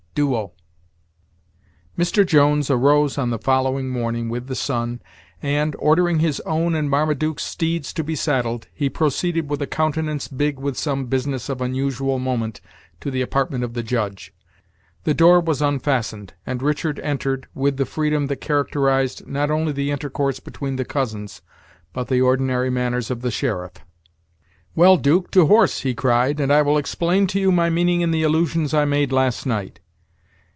Duo. Mr. Jones arose on the following morning with the sun, and, ordering his own and Marmaduke's steeds to be saddled, he proceeded, with a countenance big with some business of unusual moment to the apartment of the Judge. The door was unfastened, and Richard entered, with the freedom that characterized not only the intercourse between the cousins, but the ordinary manners of the sheriff. "Well, 'Duke, to horse," he cried, "and I will explain to you my meaning in the allusions I made last night.